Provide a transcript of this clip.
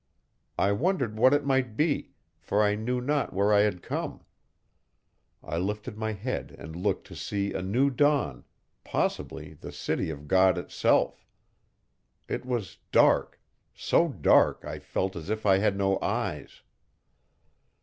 I wondered what it might be, for I knew not where I had come. I lifted my head and looked to see a new dawn possibly the city of God itself. It was dark so dark I felt as if I had no eyes.